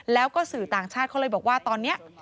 แล้วก็สื่อต่างชาติเขาเลยบอกว่าตอนนี้